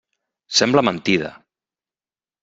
Sembla mentida!